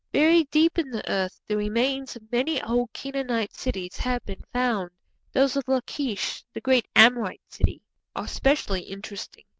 Buried deep in the earth the remains of many old Canaanite cities have been found. Those of Lachish, the great Amorite city, are specially interesting.